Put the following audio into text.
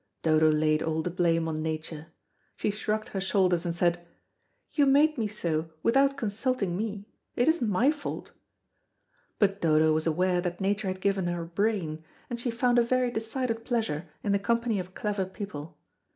Dodo laid all the blame on Nature. She shrugged her shoulders and said: "You made me so without consulting me. It isn't my fault!" But Dodo was aware that Nature had given her a brain, and she found a very decided pleasure in the company of clever people.